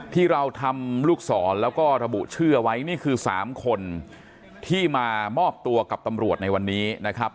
ที่เราทำลูกศรแล้วก็ระบุชื่อไว้นี่คือ๓คนที่มามอบตัวกับตำรวจในวันนี้นะครับ